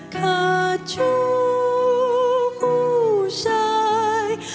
ขาดชู้ผู้ชาย